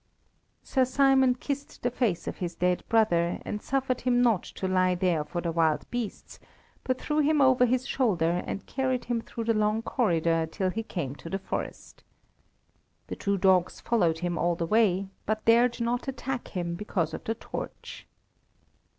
Sir Simon kissed the face of his dead brother, and suffered him not to lie there for the wild beasts, but threw him over his shoulder and carried him through the long corridor till he came to the forest. The two dogs followed him all the way, but dare not attack him because of the torch.